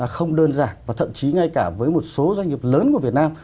không đơn giản và thậm chí ngay cả với một số doanh nghiệp lớn của việt nam